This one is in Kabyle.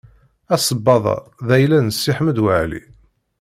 Asebdad-a d ayla n Si Ḥmed Waɛli.